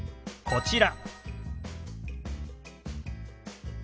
こちら。